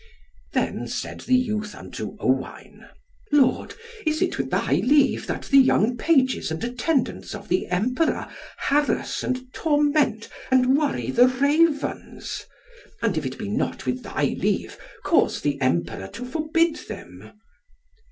Then said the youth unto Owain, "Lord, is it with thy leave that the young pages and attendants of the Emperor harass and torment and worry the Ravens? And if it be not with thy leave, cause the Emperor to forbid them."